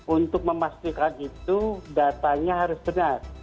untuk memastikan itu datanya harus benar